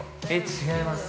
◆違います。